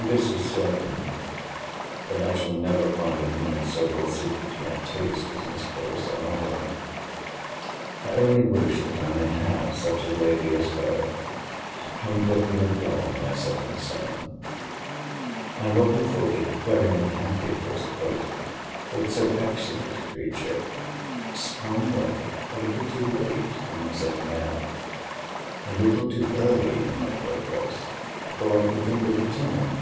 This is certain, that I shall never find a woman so well suited to my taste as Miss Clarissa Harlowe. I only wish that I may have such a lady as her to comfort and adorn my setting sun. I have often thought it very unhappy for us both, that so excellent a creature sprang up a little too late for my setting out, and a little too early in my progress, before I can think of returning.